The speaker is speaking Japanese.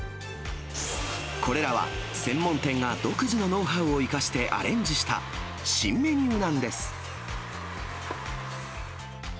これらは専門店が独自のノウハウを生かしてアレンジした新メニューなんです。